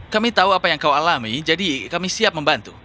kami tahu apa yang kau alami jadi kami siap membantu